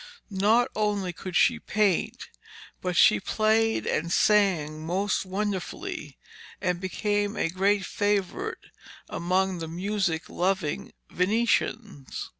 Not only could she paint, but she played and sang most wonderfully, and became a great favourite among the music loving Venetians.